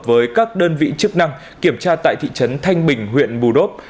với các đơn vị chức năng kiểm tra tại thị trấn thanh bình huyện bù đốp